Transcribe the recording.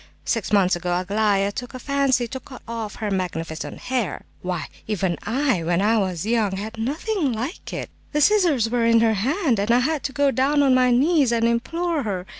Six months ago Aglaya took a fancy to cut off her magnificent hair. Why, even I, when I was young, had nothing like it! The scissors were in her hand, and I had to go down on my knees and implore her...